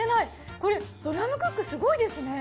これドラムクックすごいですね。